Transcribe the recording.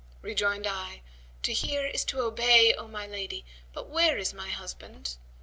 Rejoined I, 'To hear is to obey, O my lady, but where is my husband?'